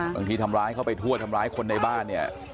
ทำร้ายเข้าไปทั่วทำร้ายคนในบ้านเนี่ย